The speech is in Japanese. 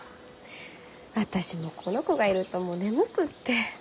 私もこの子がいるともう眠くって。